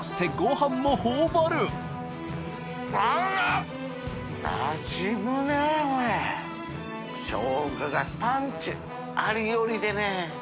淵船礇鵝しょうががパンチあり寄りでね。